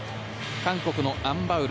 韓国のアン・バウル